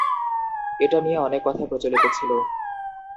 এটা নিয়ে অনেক কথা প্রচলিত ছিলো।